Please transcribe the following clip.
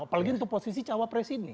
apalagi untuk posisi cawapres ini